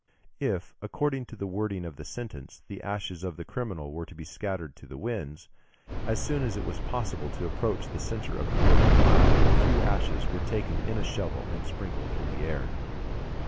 If, according to the wording of the sentence, the ashes of the criminal were to be scattered to the winds, as soon as it was possible to approach the centre of the burning pile, a few ashes were taken in a shovel and sprinkled in the air.